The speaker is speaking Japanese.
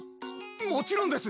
もちろんです！